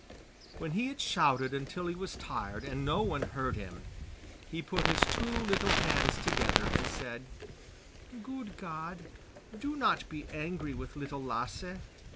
When he had shouted until he was tired and no one heard him, he put his two little hands together and said, 'Good God, do not be angry with Little Lasse.